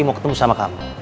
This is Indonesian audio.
aku mau ketemu sama kamu